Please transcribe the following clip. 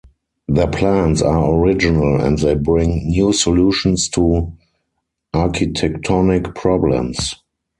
Their plans are original and they bring new solutions to architectonic problems.